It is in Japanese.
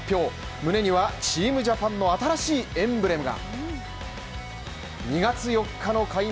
胸には、チームジャパンの新しいエンブレムが。